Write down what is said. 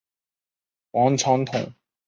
黄长筒石蒜是石蒜科石蒜属的变种。